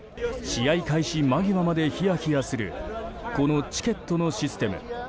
試合開始間際までひやひやするこのチケットのシステム。